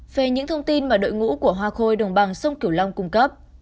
về những thông tin mà đội ngũ của hoa khôi đồng bằng sông cửu long cung cấp